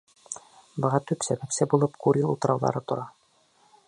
Быға төп сәбәпсе булып Курил утрауҙары тора.